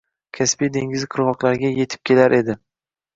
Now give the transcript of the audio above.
Kaspiy dengizi qirgʻoqlariga yetib kelar edi.